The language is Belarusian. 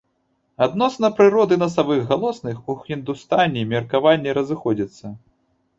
Адносна прыроды насавых галосных у хіндустані меркаванні разыходзяцца.